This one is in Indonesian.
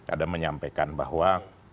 ada menyampaikan bahwa